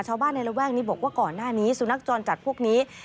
ชาวบ้านในระแวกนี้บอกว่าก่อนหน้านี้สุนัขจรจัดพวกนี้